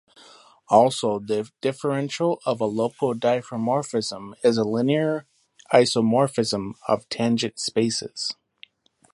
Also, the differential of a local diffeomorphism is a linear isomorphism of tangent spaces.